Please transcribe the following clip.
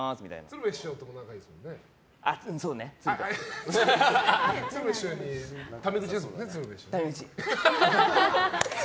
鶴瓶師匠にタメ口ですもんね。